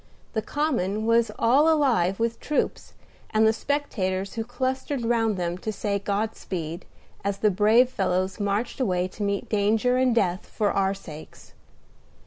The Common was all alive with troops and the spectators who clustered round them to say God speed, as the brave fellows marched away to meet danger and death for our sakes.